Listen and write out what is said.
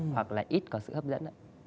hoặc là ít có sự hấp dẫn